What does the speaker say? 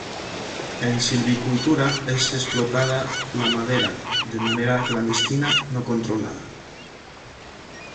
En silvicultura es explotada la madera de manera clandestina no controlada.